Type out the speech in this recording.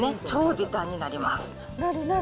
超時短になります。